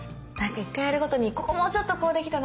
１回やるごとにここもうちょっとこうできたな